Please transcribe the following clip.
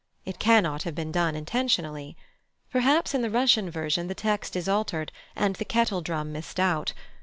It cannot have been done intentionally. Perhaps in the Russian version the text is altered and the kettledrum missed out.